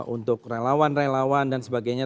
untuk relawan relawan dan sebagainya